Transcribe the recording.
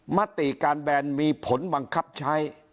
มติการแบนมีผลบังคับใช้